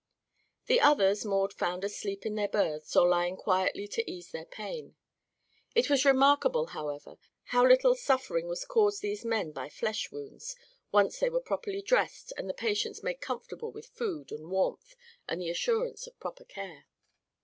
The others Maud found asleep in their berths or lying quietly to ease their pain. It was remarkable, however, how little suffering was caused these men by flesh wounds, once they were properly dressed and the patients made comfortable with food and warmth and the assurance of proper care.